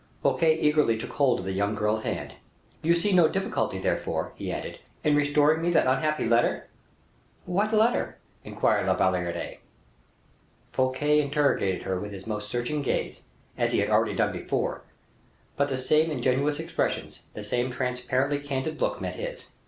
Fouquet eagerly took hold of the young girl's hand. "You see no difficulty, therefore," he added, "in restoring me that unhappy letter." "What letter?" inquired La Valliere. Fouquet interrogated her with his most searching gaze, as he had already done before, but the same ingenious expressions, the same transparently candid look met his.